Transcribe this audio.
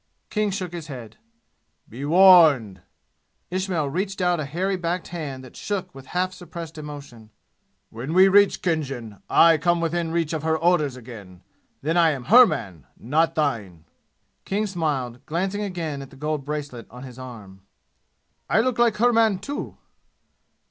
King shook his head. "Be warned!" Ismail reached out a hairy backed hand that shook with half suppressed emotion. "When we reach Khinjan, and I come within reach of her orders again, then I am her man, not thine!" King smiled, glancing again at the gold bracelet on his arm. "I look like her man, too!"